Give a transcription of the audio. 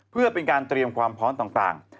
เพื่อเป็นการเตรียมความพร้อมต่าง